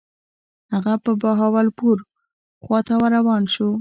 هغه بهاولپور خواته ور روان شو.